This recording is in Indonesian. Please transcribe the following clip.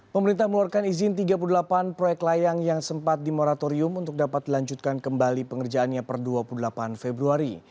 pemerintah meluarkan izin tiga puluh delapan proyek layang yang sempat di moratorium untuk dapat dilanjutkan kembali pengerjaannya per dua puluh delapan februari